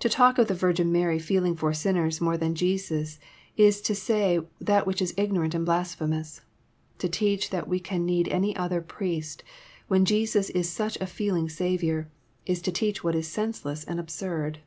To talk of the Virgin Mary feeling for sinners more than Jesus is to say that which is ignorant and blasphemous. To teach that we can need any other priest, when Jesus is such a feeling Saviour, is to teach what is senseless and absurd.